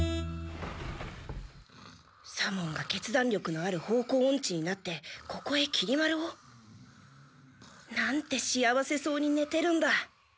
左門が決断力のある方向オンチになってここへきり丸を。なんて幸せそうにねてるんだ。